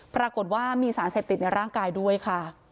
ปรากฏว่ามีสารเสพติดในร่างกายด้วยค่ะ